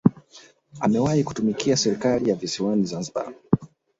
Amewahi kutumikia serikali ya visiwani Zanzibar